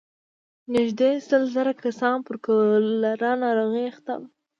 نږدې سل زره کسان پر کولرا ناروغۍ اخته وو.